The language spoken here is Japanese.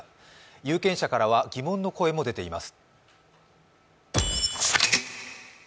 有権者からは疑問の声も出ています。